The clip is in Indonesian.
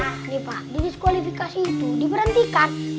nih pak di diskualifikasi itu diberhentikan